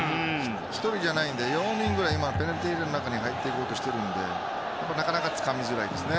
１人じゃないので、４人くらいペナルティーエリアの中に入っていこうとしてるのでなかなかつかみづらいですね。